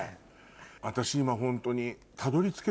私今ホントに。